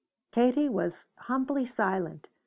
Katie was humbly silent.